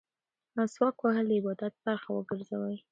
مسواک وهل د عبادت برخه وګرځوئ.